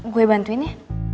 gue bantuin ya